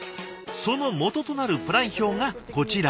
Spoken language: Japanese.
その基となるプラン表がこちら。